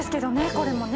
これもね。